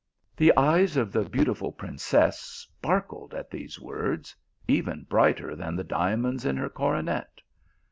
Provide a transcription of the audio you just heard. The eyes of the beautiful princess sparkled at these words, even brighter than the diamonds in her coro net.